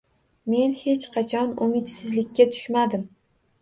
– Men hech qachon umidsizlikka tushmadim